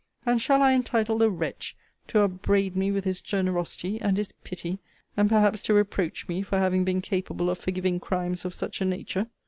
'And shall I entitle the wretch to upbraid me with his generosity, and his pity; and perhaps to reproach me for having been capable of forgiving crimes of such a nature?